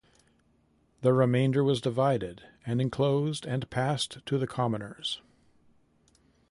The remainder was divided and enclosed and passed to the commoners.